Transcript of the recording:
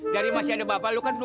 dari masih ada bapak lu kan